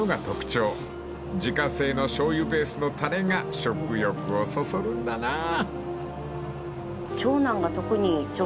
［自家製のしょうゆベースのタレが食欲をそそるんだなあ］